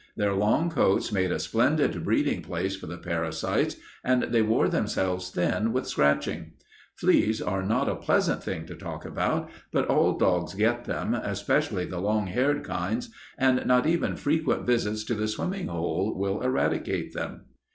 Their long coats made a splendid breeding place for the parasites and they wore themselves thin with scratching. Fleas are not a pleasant thing to talk about, but all dogs get them, especially the long haired kinds, and not even frequent visits to the swimming hole will eradicate them.